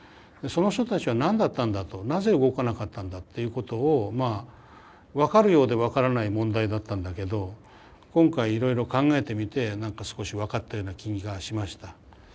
その人たちは何だったんだとなぜ動かなかったんだっていうことを分かるようで分からない問題だったんだけど今回いろいろ考えてみて何か少し分かったような気がしました。